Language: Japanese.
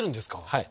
はい。